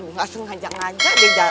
ngaseng ngajak ngajak deh